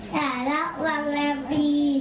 แต่รับวังแล้วบี